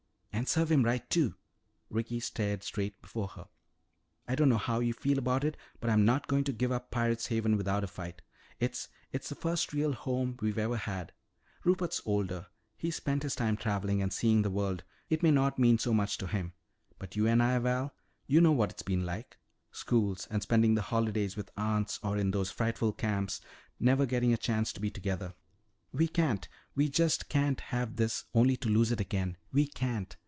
"And serve him right, too." Ricky stared straight before her. "I don't know how you feel about it, but I'm not going to give up Pirate's Haven without a fight. It's it's the first real home we've ever had. Rupert's older; he's spent his time traveling and seeing the world; it may not mean so much to him. But you and I, Val You know what it's been like! Schools, and spending the holidays with aunts or in those frightful camps, never getting a chance to be together. We can't we just can't have this only to lose it again. We can't!"